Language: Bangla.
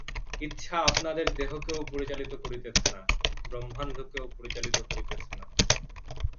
ইচ্ছা আপনাদের দেহকেও পরিচালিত করিতেছে না, ব্রহ্মাণ্ডকেও নিয়মিত করিতেছে না।